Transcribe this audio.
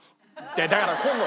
だから今度。